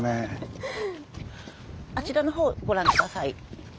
あちらのほうご覧下さい。